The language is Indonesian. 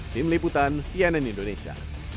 tim liputan cnn indonesia